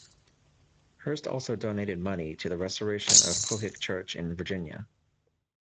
Hearst also donated money to the restoration of Pohick Church in Virginia.